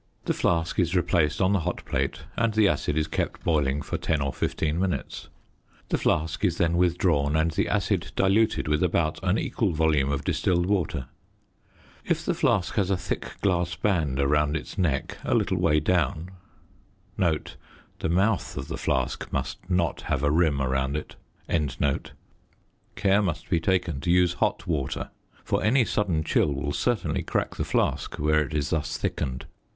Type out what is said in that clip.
The flask is replaced on the hot plate and the acid is kept boiling for 10 or 15 minutes. The flask is then withdrawn and the acid diluted with about an equal volume of distilled water. If the flask has a thick glass band around its neck, a little way down, care must be taken to use hot water, for any sudden chill will certainly crack the flask where it is thus thickened.